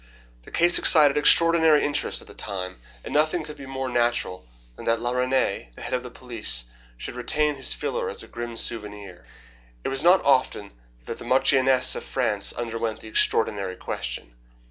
The case excited extraordinary interest at the time, and nothing could be more natural than that La Reynie, the head of the police, should retain this filler as a grim souvenir. It was not often that a marchioness of France underwent the extraordinary question.